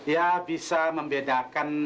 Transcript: ya bisa membedakan